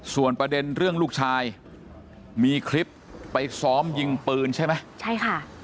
ส่วนประเด็นเรื่องลูกชายมีคลิปไปซ้อมยิงปืนใช่ไหมใช่ค่ะ